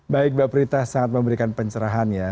baik mbak prita sangat memberikan pencerahan ya